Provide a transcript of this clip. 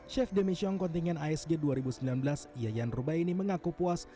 chef demi shong kontingen asg dua ribu sembilan belas yayan rubaini mengaku puas